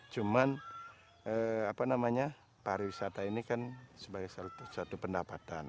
cuman pariwisata ini kan sebagai satu pendapatan